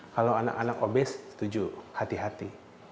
kalau anak anak obes setuju hati hati